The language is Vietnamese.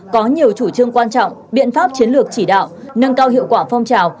có nhiều chủ trương quan trọng biện pháp chiến lược chỉ đạo nâng cao hiệu quả phong trào